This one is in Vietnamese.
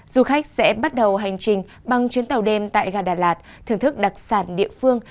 du khách sẽ bắt đầu hành trình bằng chuyến tàu đêm tại gà đà lạt thưởng thức đặc sản địa phương